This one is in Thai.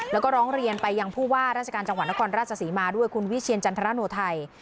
แล้วก็ร้องเรียนไปยังผู้ว่าราชการจังหวัดนครราชศรีมาด้วยคุณวิเชียรจันทรโนไทย